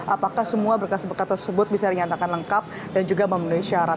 apakah semua berkas berkas tersebut bisa dinyatakan lengkap dan juga memenuhi syarat